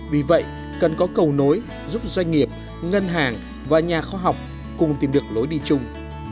vì vậy cần có cầu nối giúp doanh nghiệp ngân hàng và nhà khoa học cùng tìm được lối đi chung